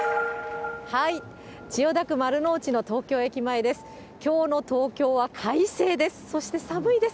千代田区丸の内の東京駅前です。